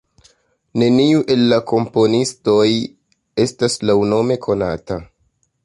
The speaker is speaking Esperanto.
Neniu el la komponistoj estas laŭnome konata.